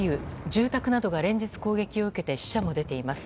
住宅などが連日攻撃を受けて死者も出ています。